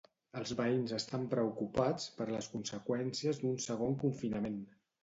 Els veïns estan preocupats per les conseqüències d'un segon confinament.